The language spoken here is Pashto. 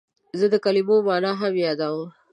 زه د کلمو مانا هم یادوم.